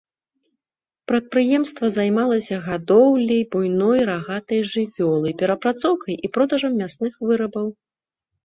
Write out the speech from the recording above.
Прадпрыемства займалася гадоўляй буйной рагатай жывёлы, перапрацоўкай і продажам мясных вырабаў.